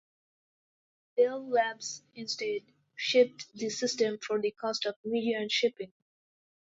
Bell Labs instead shipped the system for the cost of media and shipping.